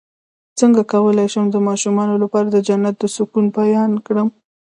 څنګه کولی شم د ماشومانو لپاره د جنت د سکون بیان کړم